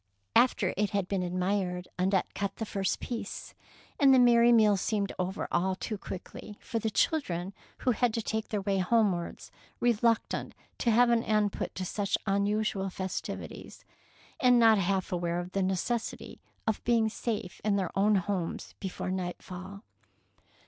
'' After it had been admired, Annette cut the first piece, and the merry meal seemed over all too quickly for the children who had to take their way homewards, reluctant to have an end put to such unusual festivities, and not half aware of the necessity of being safe in their own homes before nightfall.